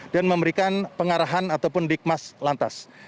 dan memberikan pengarahan ataupun dikmas lantas